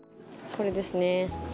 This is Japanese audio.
これですね。